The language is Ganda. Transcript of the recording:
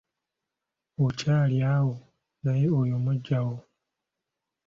Okyali awo naye oyo muggyawo.